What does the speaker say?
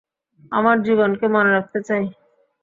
আমার জীবনকে মনে রাখতে চাই।